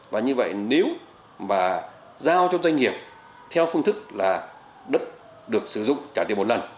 và như vậy nếu mà giao cho doanh nghiệp theo phương thức là đất được sử dụng trả tiền một lần